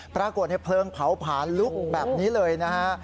ปรากฏในเพลิงเผาผลาลุกแบบนี้เลยนะฮะ